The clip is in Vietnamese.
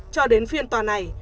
cho đến phiên tòa này